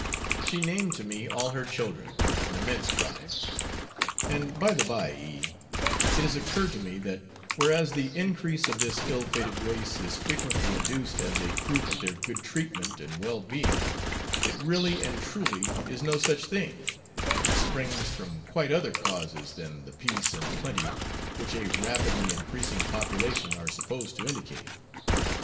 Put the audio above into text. She named to me all her children, an immense tribe; and, by the by, E , it has occurred to me that whereas the increase of this ill fated race is frequently adduced as a proof of their good treatment and well being, it really and truly is no such thing, and springs from quite other causes than the peace and plenty which a rapidly increasing population are supposed to indicate.